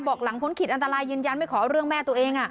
หลังพ้นขีดอันตรายยืนยันไม่ขอเอาเรื่องแม่ตัวเอง